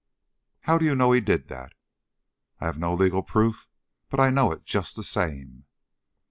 "How do you know he did that?" "I have no legal proof, but I know it just the same."